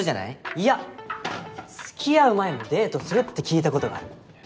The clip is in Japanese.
いや付き合う前もデートするって聞いたことがある。